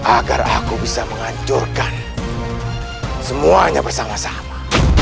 agar aku bisa menghancurkan semuanya bersama sama